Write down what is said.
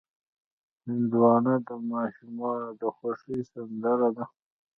هندوانه د ماشومانو د خوښې سندره ده.